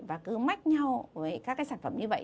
và cứ mách nhau với các cái sản phẩm như vậy